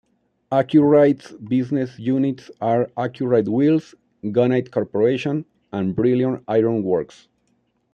Accuride's business units are Accuride Wheels, Gunite Corporation, and Brillion Iron Works.